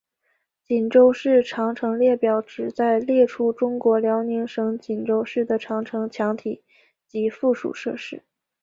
锦州市长城列表旨在列出中国辽宁省锦州市的长城墙体及附属设施。